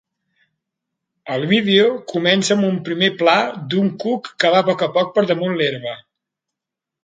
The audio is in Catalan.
El vídeo comença amb un primer pla d'un cuc que va poc a poc per damunt l'herba.